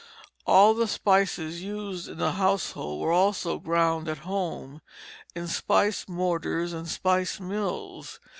All the spices used in the household were also ground at home, in spice mortars and spice mills.